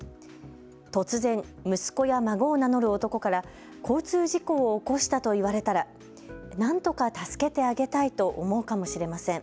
突然、息子や孫を名乗る男から交通事故を起こしたと言われたらなんとか助けてあげたいと思うかもしれません。